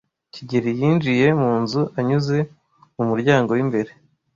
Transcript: kigeli yinjiye mu nzu anyuze mu muryango w'imbere.